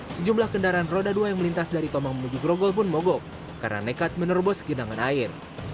sejumlah kendaraan roda dua yang melintas dari tomang menuju grogol pun mogok karena nekat menerobos genangan air